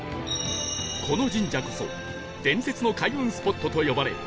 この神社こそ伝説の開運スポットと呼ばれ